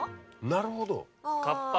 なるほど！